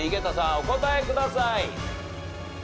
お答えください。